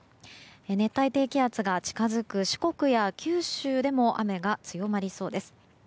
熱帯低気圧が近づく四国や九州でも雨が強まりそうです。